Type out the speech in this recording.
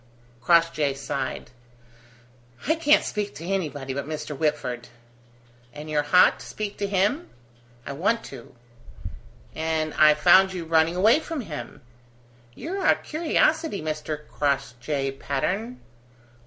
Crossjay sighed. "I can't speak to anybody but Mr. Whitford." "And you're hot to speak to him?" "I want to." "And I found you running away from him. You're a curiosity, Mr. Crossjay Patterne."